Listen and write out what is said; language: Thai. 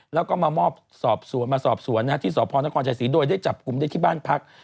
แล้วก็มามอบสอบสวนมาสอบสวนที่สพนครชายศรีโดยได้จับกลุ่มได้ที่บ้านพัก